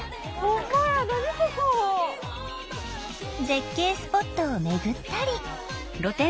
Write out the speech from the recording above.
絶景スポットを巡ったり。